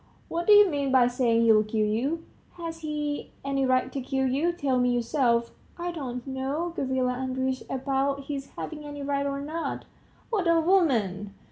What do you mean by saying he'll kill you? Has he any right to kill you? tell me yourself." "I don't know, Gavrila Andreitch, about his having any right or not." "What a woman!